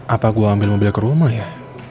apa gue ambil mobil ke rumah ya